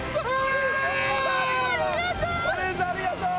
ありがとう！